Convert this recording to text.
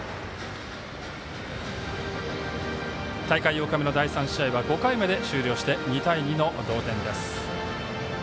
大会８日目の第３試合は５回まで終了して２対２の同点です。